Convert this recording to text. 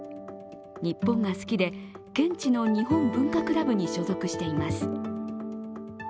日本が好きで、現地の日本文化クラブに所属しています。